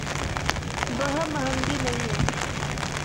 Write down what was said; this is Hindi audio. वह महँगी नहीं है।